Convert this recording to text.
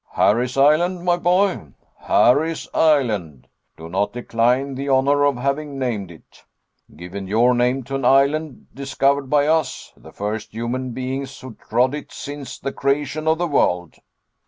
"Harry's Island, my boy! Harry's Island. Do not decline the honor of having named it; given your name to an island discovered by us, the first human beings who trod it since the creation of the world!"